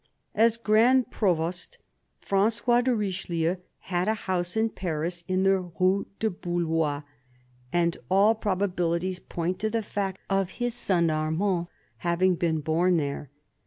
As Grand Provost, Frangois de Richelieu had a house in Paris, in the Rue du Bouloy, and all probabihties point to the fact of his son Armand having been born there.